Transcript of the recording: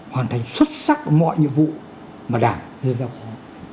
hoàn thành xuất sắc mọi nhiệm vụ mà đảng dân giao phó